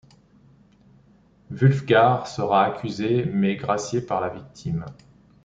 Wulfgar sera accusé, mais gracié par la victime.